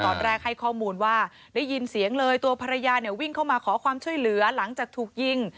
ตอนแรกให้ข้อมูลว่าได้ยินเสียงเลยตัวภรรยาเนี่ยวิ่งเข้ามาขอความช่วยเหลือหลังจากถูกยิง